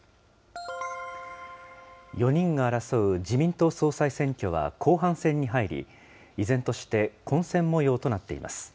４人が争う自民党総裁選挙は後半戦に入り、依然として混戦もようとなっています。